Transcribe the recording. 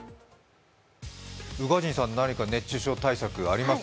宇賀神さん、なにか熱中症対策あります？